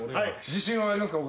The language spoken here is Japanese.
自信はありますか？